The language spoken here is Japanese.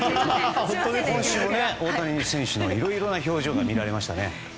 今週も大谷選手のいろいろな表情が見れましたね。